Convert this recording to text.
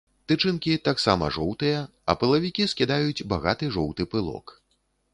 Тычынкі таксама жоўтыя, а пылавікі скідаюць багаты жоўты пылок.